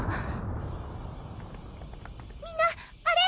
みんなあれ！